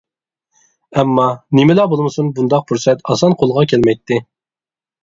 ئەمما، نېمىلا بولمىسۇن بۇنداق پۇرسەت ئاسان قولغا كەلمەيتتى.